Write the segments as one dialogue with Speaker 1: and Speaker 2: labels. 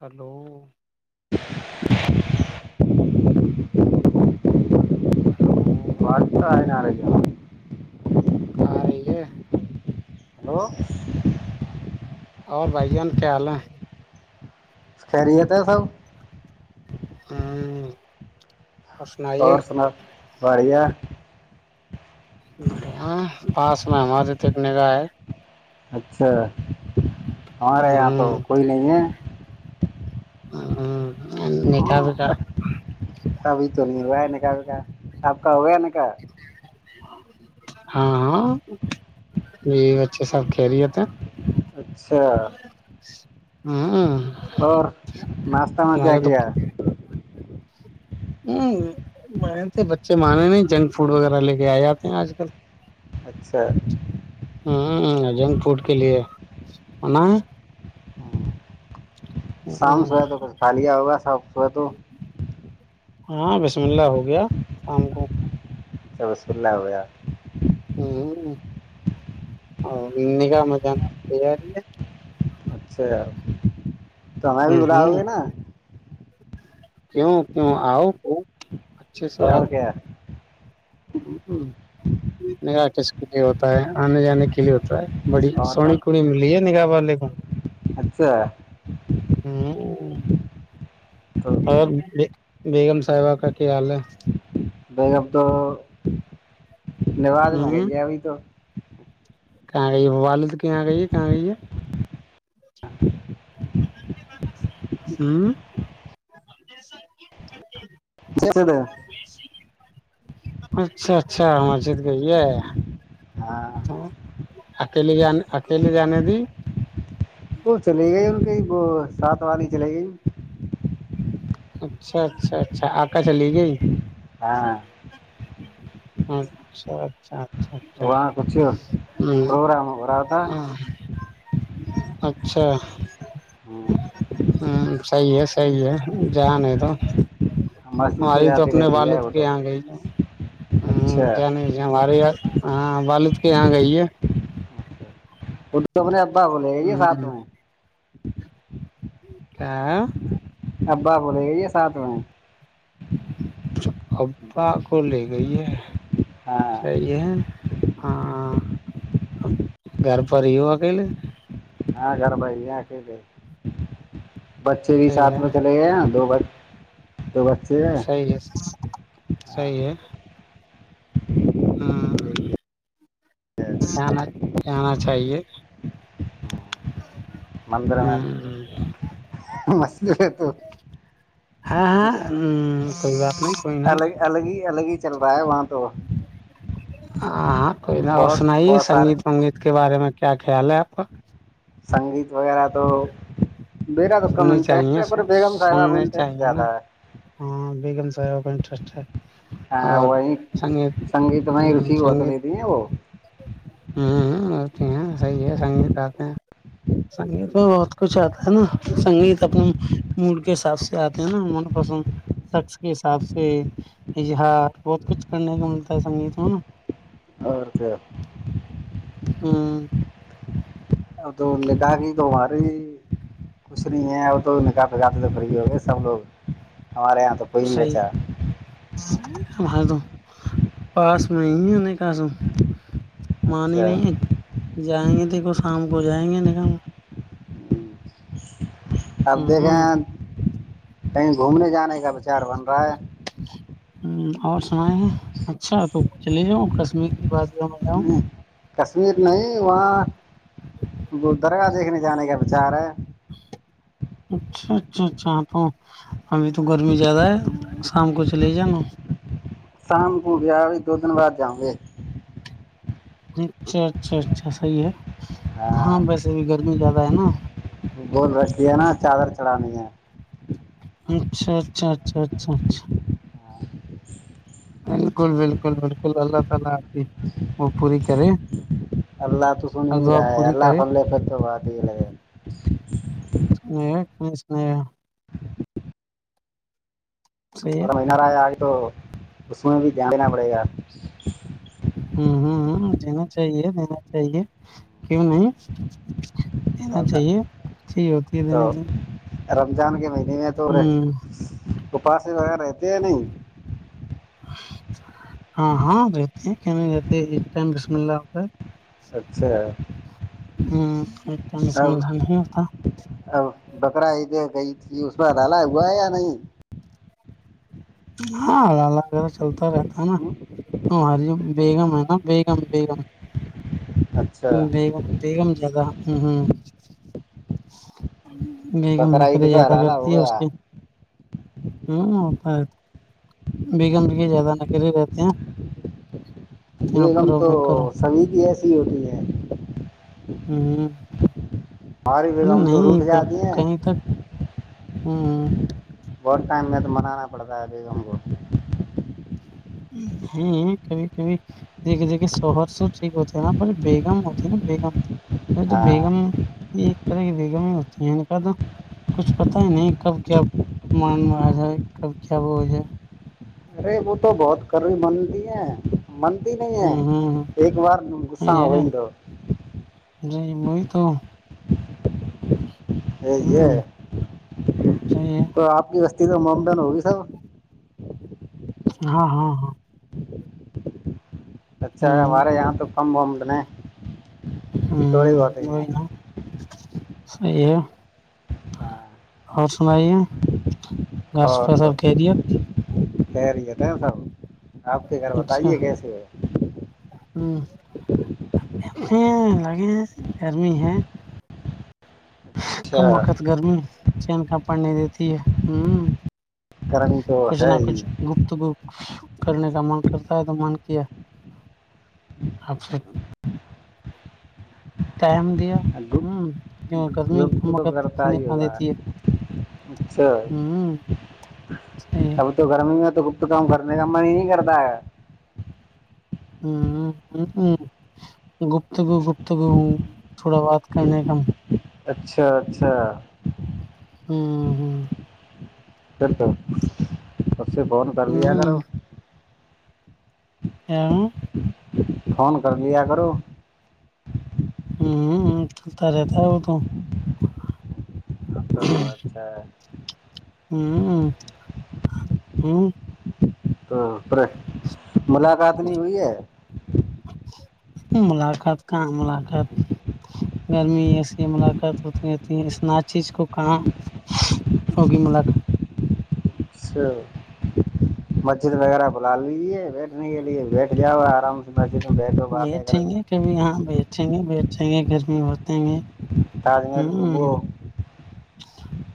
Speaker 1: hello
Speaker 2: [inaudible]
Speaker 1: hello
Speaker 2: آواز تو آ نہ رہی
Speaker 1: آ رہے ہے
Speaker 2: ہیلو
Speaker 1: اور بھائی جان کیا حال ہے
Speaker 2: خریت سب
Speaker 1: ہاں
Speaker 2: اور سناؤ بڑیا
Speaker 1: پس ہماری تو ایک نگا ہے
Speaker 2: اچھا ہاںارے یہاں تو
Speaker 1: ہ
Speaker 2: کوئی نہیں ہے
Speaker 1: ہاں
Speaker 2: ابھی تو نہیں رہا ن کا کا اب کو نکا
Speaker 1: ہاں ہاں بی بچے سب کھیلیےتے
Speaker 2: اچھا
Speaker 1: ہوں
Speaker 2: اور ناشتہ میں کیا
Speaker 1: ہمارے
Speaker 2: کیا
Speaker 1: ہ میں بچے مانے نہیں جنک فوڈ وغیرہ لے کے آ جاتے ہیں آج کل
Speaker 2: اچھا
Speaker 1: ہ جنک فوڈ کے لیے ہونا ہے
Speaker 2: شام صبح تو کچھ خالیا ہوگا شام صبح تو
Speaker 1: ہاں بسم اللہ ہو گیا شام کو
Speaker 2: چبسوللہ ہو ہے
Speaker 1: [inaudible]
Speaker 2: اچھا تو ہمیں بھی
Speaker 1: ہے ہ ہ
Speaker 2: بلاؤ گے نا
Speaker 1: کیوں کیوں آ کو
Speaker 2: اور کیا
Speaker 1: ٹس کے لیے ہوتا ہے آنے جانے کے لیے ہوتا ہے بڑی
Speaker 2: اور کا
Speaker 1: سوہنی کڑی ملی ہے نگاہ والے [inaudible]
Speaker 2: اچھا
Speaker 1: ہوں
Speaker 2: تو
Speaker 1: اور بیگم صاحبہ کا کیا حال ہے
Speaker 2: بیگ آپ تو نباز میں
Speaker 1: ہ
Speaker 2: گئی ہے ابھی تو
Speaker 1: کہاں گئی ہے والد کہاں گئی ہے کہاں گئی ہے [unintelligible]
Speaker 2: [unintelligible]
Speaker 1: اچھا اچھا مسجد گئی ہے
Speaker 2: ہاں
Speaker 1: [unintelligible] اکیلیے ج اکیلی جانے د
Speaker 2: وہ چلے گئے ان کی وہ سات والانی چل گئی
Speaker 1: اچھا اچھا اچھا آکا چلی گئی
Speaker 2: ہاں
Speaker 1: ہاں اچھا اچھا اچھا اچھا
Speaker 2: وہاں کچھ
Speaker 1: ہ
Speaker 2: پروگرام ہو رہا ہوتا
Speaker 1: اچھا ہاں صحی ہے صحی ہے جانے تو
Speaker 2: مسجد
Speaker 1: ہماری تو
Speaker 2: جاتی
Speaker 1: اپنے
Speaker 2: رہتی ہے
Speaker 1: والد
Speaker 2: وہ
Speaker 1: کے
Speaker 2: تو
Speaker 1: یہاں گئی ہے ہ
Speaker 2: اچھا
Speaker 1: کیا نہیں ہمارے یہاں ہاں والد کے یہاں گئی ہے
Speaker 2: تو اپنے ابا بولے یہ ساتھ
Speaker 1: ہ
Speaker 2: میں [inaudible]
Speaker 1: [inaudible]
Speaker 2: ابا بولے گا یہ ساتھ میں
Speaker 1: اببا کو لے گئی ہے
Speaker 2: ہاں
Speaker 1: صیح ہے ہاں گھر پر یہو کہ لے
Speaker 2: ہاں گھر بھائی یہ کہ بچے بھی
Speaker 1: صحیح
Speaker 2: سات میں
Speaker 1: ہے
Speaker 2: چلے گئے نا دو دو بچے ہیں
Speaker 1: صحیح ہے صحیح ہے آنا چاہیے
Speaker 2: مندر
Speaker 1: ہ
Speaker 2: میں مسج ہے تو
Speaker 1: ہاں
Speaker 2: کچھ
Speaker 1: ہاں کوئی بات نہیں کوئی نا
Speaker 2: الگ الگ ہی الگ ہی چل رہا ہے وہاں تو
Speaker 1: ہاں ہاں کوئی اور
Speaker 2: بہت
Speaker 1: سنائیے
Speaker 2: بہت
Speaker 1: سنگیت
Speaker 2: سارے
Speaker 1: ونگیت کے بارے میں کیا خیال ہے آپ کا
Speaker 2: سنگیت وغیرہ تو میرا تو کم
Speaker 1: سننی
Speaker 2: انٹرسٹ
Speaker 1: چاہیے
Speaker 2: ہے پر بیگم صاحبہ کو
Speaker 1: سننے
Speaker 2: انٹرسٹ
Speaker 1: چاہیے نا
Speaker 2: زیادہ
Speaker 1: ہاں کا انٹرسٹ ہے
Speaker 2: ہے
Speaker 1: اور
Speaker 2: وہی
Speaker 1: سنگیت
Speaker 2: سنگیت میں ہی روچی بہت
Speaker 1: سنگیت
Speaker 2: لیتی ہیں وہ
Speaker 1: ہوتی ہیں سحی ہے سنگیت آتے ہیں سنگیت میں بہت کچھ آتا ہے نا سنگیت اپنے مڈ کے حساب سے آتے ہیں نا من پسند شخص کے حساب سےظہار بہت کچھ کرنے کو ملتا ہے سنگیت میں نا
Speaker 2: اور کیا
Speaker 1: ہاں
Speaker 2: اب تو نکا تواری کچھ نہیں ہے تو نکاح پگ تو فری ہو گئے سب لوگ ہمارے یہاں تو کوئی نہیں
Speaker 1: سی
Speaker 2: بچا
Speaker 1: بائی تو پاس میں نہیں کہسوں مانی
Speaker 2: اچھا
Speaker 1: نہیں ہے جائیں گے دیکھو شام کو جائیں گے نیکا ہم
Speaker 2: آپ
Speaker 1: ہ ہ
Speaker 2: دیکھیں کہیں گھومنے جانے کا وچار بن رہا ہے
Speaker 1: اور سنائے ہیں اچھا تو چلے جاؤ کشمیر کی بات میں جاؤں
Speaker 2: کشمیر نہیں وہاں بل درگاہ دیکھنے جانے کا بچار ہے
Speaker 1: اچھا اچھا اچھا ہ تو ابھی تو گرمی زیادہ ہے شام کو چلے ہی جانا
Speaker 2: شام کو گیا بھی دو دن بعد جاؤں گے
Speaker 1: ج اچھا اچھا اچھا صحیح ہے ہاں ویسے بھی گرمی زیادہ ہے نا
Speaker 2: بول رکھتی ہے نا چادر چڑھانی ہے
Speaker 1: اچھا اچھا اچھا اچھا اچھا بالکل
Speaker 2: اللہ تو سن
Speaker 1: اور
Speaker 2: ہی
Speaker 1: دعا
Speaker 2: رہا ہے
Speaker 1: پوری
Speaker 2: اللہ
Speaker 1: کرے
Speaker 2: فلے پ تو بات ہی لگے
Speaker 1: م اسناا
Speaker 2: پورا مہینہار ہے آئے تو اس میں بھی دھیان دینا پڑے گا
Speaker 1: ہ ہوں ہ دینا چاہیے دینا چاہیے کیوں نہیں دینا
Speaker 2: گا
Speaker 1: چاہیے چی ہوتی ہے دینے
Speaker 2: تو
Speaker 1: کی
Speaker 2: رمضان کے نہیں نہیںنے تو ہو
Speaker 1: ہ
Speaker 2: رہے تو پاس ہی وغیر رہتے یا نہیں
Speaker 1: ہاں ہاں رہتے ہیں کیا نہیں رہتے ایک ٹم بسم اللہ ہوتا ہے
Speaker 2: اچھا
Speaker 1: ہ ا سے مھ نہیں ہوتا
Speaker 2: بکرا ایدھر گئی تھی اس میں ڈال ہوا یا نہیں
Speaker 1: ہاں اللہ ال چلتا رہتا ہے نا ہری بیگم ہے نا بیگم بیگم
Speaker 2: اچھا
Speaker 1: بیم بیگم جگہ ہوں ہوں
Speaker 2: تو
Speaker 1: گئی گ
Speaker 2: بقرا
Speaker 1: منقریں
Speaker 2: عید پہ
Speaker 1: زیادہ
Speaker 2: حلالہ
Speaker 1: کرتی
Speaker 2: ہو
Speaker 1: ہے اس
Speaker 2: گیا
Speaker 1: سے ہوںت بیگم کے زیادہ ن کر ہی رہتے ہیں آپ
Speaker 2: بیگم
Speaker 1: کرو
Speaker 2: تو
Speaker 1: میں کرو
Speaker 2: سوھی بھی ایسی ہی ہوتی ہے
Speaker 1: ہوں
Speaker 2: ارے بگ ہم تو رٹ جاتی ہیں
Speaker 1: ہوں
Speaker 2: بہت ٹائم میں تو منانا پڑتا ہے بی گ ہم کو
Speaker 1: کبھی کبھی دیکھے دیکھے شوہر سو ٹھیک ہوتے ہے نا بلے بیگم ہوتی ہے نا بیگم ا تو
Speaker 2: ہاں
Speaker 1: بیگم یہ طرح کی بیگمیں ہوتی ہیں کہا تھا کچھ پتا ہی نہیں کب کیاان میں آ جائے کب کیا وہ ہو جائے
Speaker 2: ارے وہ تو بہت کری بنتی ہے منتی نہیں ہے
Speaker 1: ہ
Speaker 2: ایک بار گغسا ہو گ ہی دو
Speaker 1: جی وہی تو
Speaker 2: یہ
Speaker 1: ہ صحیح ہے
Speaker 2: تو آپ کی و تو مامدن ہوی سب
Speaker 1: ہاں ہاں ہاں
Speaker 2: اچھا ہے ہمارے
Speaker 1: ہ
Speaker 2: یہاں تو کم بمنے تھوڑی
Speaker 1: ہ
Speaker 2: بہاتیں ہیں
Speaker 1: صی ہے
Speaker 2: ہاں
Speaker 1: اور سنائیے گرس پر سب کہہ دیا
Speaker 2: سی گٹ سح آپ کے گھر بتائیے کیسے ہے
Speaker 1: ہوں ہ لگے ہیں گرمی ہے کم
Speaker 2: اچھا
Speaker 1: وقت گرمی [unintelligible] چین کا پڑنی دیتی ہے ہوں
Speaker 2: کرنی
Speaker 1: [unintelligible]
Speaker 2: تو
Speaker 1: کچھ نہ
Speaker 2: ہے
Speaker 1: کچھ
Speaker 2: ہی
Speaker 1: گپت گپ [unintelligible] کرنے کا من کرتا ہے تو من کیا آپ سے [unintelligible] ٹائم دیا ہوں [unintelligible] گرمی
Speaker 2: گپت
Speaker 1: کم
Speaker 2: تو
Speaker 1: وقت
Speaker 2: کرتا
Speaker 1: چنے
Speaker 2: ہی
Speaker 1: آ
Speaker 2: ہوگا
Speaker 1: دیتی ہے
Speaker 2: اچھا
Speaker 1: ہی ہے [unintelligible]
Speaker 2: اب تو گرمی میں تو کت کام کرنے کاما ہی نہیں کرتا ہے [unintelligible]
Speaker 1: ہ ہ گپتگو گپتگو تھوڑا بات کرنے کا [unintelligible]
Speaker 2: اچھا اچھا [unintelligible]
Speaker 1: ہوں ہوں [unintelligible]
Speaker 2: س س [unintelligible] اس سے فون کر لیا
Speaker 1: ہ
Speaker 2: کرو [unintelligible]
Speaker 1: ا [unintelligible]
Speaker 2: فون کر لیا کرو [unintelligible]
Speaker 1: ہوں چلتا رہتا ہ تو [unintelligible]
Speaker 2: تو اچھا ہے [unintelligible] [unintelligible]
Speaker 1: ہوں ہ ہوں [unintelligible]
Speaker 2: تو پر ملاقات نہیں ہوئی ہے [unintelligible]
Speaker 1: ملاقات کہاں ملاقات گرمی ایسیے ملاقات ہوتی رہتی ہے اتنا چیز کو کہاں ہوگی ملاقات [unintelligible]
Speaker 2: اچھا مسجد وغیرہ بلا لیجیے بیٹھنے کے لیے بیٹھ جا ہوا آرام سے مسجد [unintelligible] باتیں
Speaker 1: بیٹھیں
Speaker 2: کرو
Speaker 1: گے کبھی یہاں بیٹھیں گے بیھ [unintelligible] چحے گرمی ہو [unintelligible]
Speaker 2: تاج محل گھمو [unintelligible]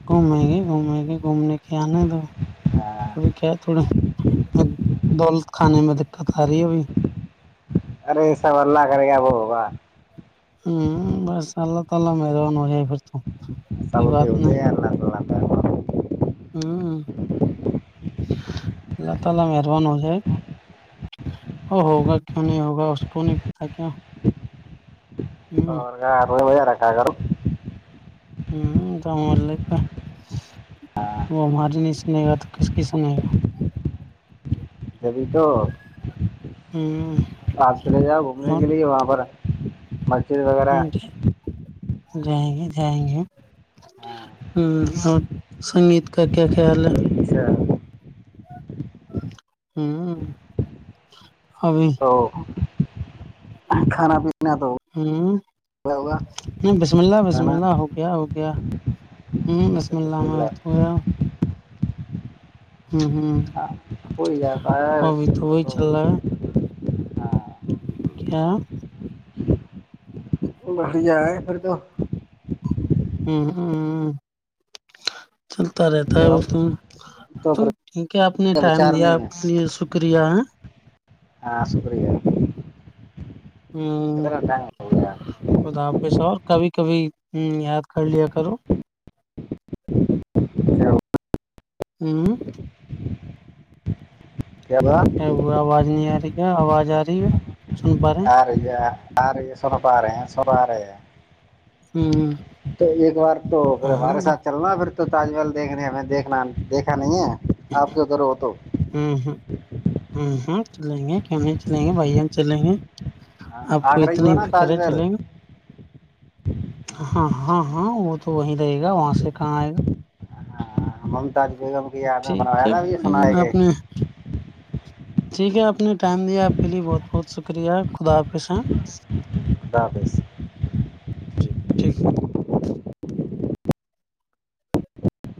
Speaker 1: گھومیں گے گھومیں گے گھومنے کے آنا دو [unintelligible] ابھی کیا تھوڑا [unintelligible] دولت کھانے میں دقت آ رہی ہے ابھی [unintelligible]
Speaker 2: ارے سب اللہ کرے گیا وہ ہوگا [unintelligible]
Speaker 1: ت اللہ میدوان ہو جائے پھر تووں [unintelligible]
Speaker 2: سب کے د [unintelligible] ا [unintelligible]
Speaker 1: ہ اللہ تعالی مہربان ہو جائے او ہوگا کیوں نہیں ہوگا اس کو نہیں [unintelligible] ہ
Speaker 2: اور گ [unintelligible] مہ رکھا ہے گوں [unintelligible]
Speaker 1: ہ تو ہم وہ ہماری نہیں سنے گا تو کس کی سنے گا [unintelligible]
Speaker 2: ابھی تو آپ چلے جاؤ گھومنے
Speaker 1: ہوں
Speaker 2: کے لیے وہاں پر [unintelligible] بچ [unintelligible] ز وغیرہ
Speaker 1: اور
Speaker 2: [unintelligible]
Speaker 1: جائیں گے جائیں گے
Speaker 2: ہاں
Speaker 1: ہ اور سنگیت کا کیا خیال ہے
Speaker 2: اسیسا
Speaker 1: ہوں ابھی
Speaker 2: ا کھانا پیتا
Speaker 1: ہ بسم اللہ بسم
Speaker 2: کھانا
Speaker 1: اللہ ہو گیا ہو گیا ہ بسم اللہ میں گیا ہوں ہوں
Speaker 2: ہاں کو جاتا
Speaker 1: ابھی
Speaker 2: ہے
Speaker 1: وہی
Speaker 2: تو
Speaker 1: چل رہا ہے
Speaker 2: ہاں
Speaker 1: کیا
Speaker 2: ج بڑیاھر تو
Speaker 1: ہوں ہوں چلتا رہتا ہے
Speaker 2: تو
Speaker 1: وہ
Speaker 2: اب
Speaker 1: تو ٹھیک ہے آپ نے ٹائم
Speaker 2: بچار
Speaker 1: دیا آپ کے لیے شکریہ ہے
Speaker 2: ہ شکریہ
Speaker 1: ہ
Speaker 2: کتنا ٹائم ہو گیا
Speaker 1: کداب پیسہ اور کبھی کبھی یاد کر لیا کرو ہوں
Speaker 2: کیا ہوا
Speaker 1: ا وہ آواز نہیں آ رہی کیا آواز آ رہی ہے سن پا رہے
Speaker 2: ہاں ریہ آارے سربا رہے ہیں سبا رہے
Speaker 1: ہیں
Speaker 2: تو ایک بار تو پھر
Speaker 1: ہاں
Speaker 2: ہمارے ساتھ چلنا پھر تو تاج محل دیکھنےے ہمیں دیکھنا دیکھا نہیں ہے آپ کے ادھر ہو تو
Speaker 1: ہ ہ ہ ہ چلیں گے ک چلیں گے بھائیان چلیں گے
Speaker 2: ہاں
Speaker 1: آپ کو
Speaker 2: آگرہ ہی ہوا
Speaker 1: اتنی
Speaker 2: نا تاج
Speaker 1: فکر ہے
Speaker 2: محل
Speaker 1: چلیں گے ہاں ہاں ہاں وہ تو وہیں رہے گا وہاں سے کہاں آئے گا
Speaker 2: ممتاج بیگم کی یاد میں
Speaker 1: ٹھیک
Speaker 2: بناویا
Speaker 1: ہے
Speaker 2: تھاا بھی
Speaker 1: بھائی
Speaker 2: سناائے
Speaker 1: جان
Speaker 2: کے
Speaker 1: آپ نے ٹھیک ہے آپ نے ٹائم دیا آپ کے لیے بہت بہت شکریہ خدا حافظ صاں
Speaker 2: ددس
Speaker 1: ٹھیک
Speaker 2: [unintelligible]